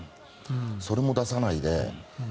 それも出さないで